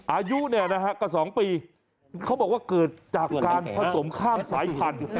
อายุเนี่ยนะฮะก็๒ปีเขาบอกว่าเกิดจากการผสมข้ามสายพันธุ์